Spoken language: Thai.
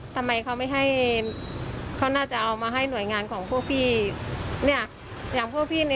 ทำไมเขาไม่ให้เขาน่าจะเอามาให้หน่วยงานของพวกพี่เนี่ย